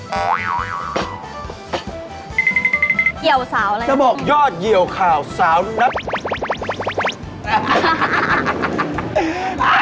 เยี่ยวสาวอะไรกัน